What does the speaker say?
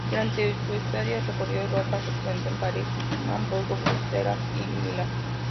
Durante su estadía recorrió Europa, se presentó en París, Hamburgo, Bruselas y Milán.